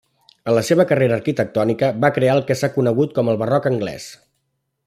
En la seva carrera arquitectònica, va crear el que s'ha conegut com el barroc anglès.